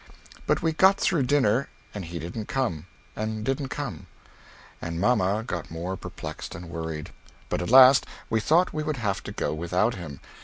But we got through dinner and he didn't come, and didn't come, and mamma got more perplexed and worried, but at last we thought we would have to go without him.